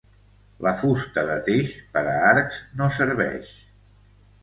La fusta de teix per a arcs no serveix.